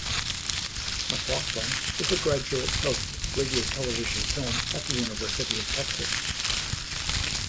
McLaughlin is a graduate of Radio-Television-Film at the University of Texas.